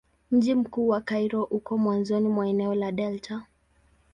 Mji mkuu wa Kairo uko mwanzoni mwa eneo la delta.